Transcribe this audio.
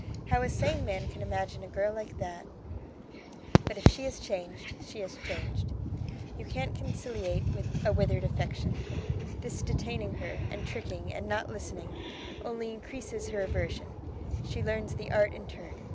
How a sane man can imagine a girl like that ...! But if she has changed, she has changed! You can't conciliate a withered affection. This detaining her, and tricking, and not listening, only increases her aversion; she learns the art in turn.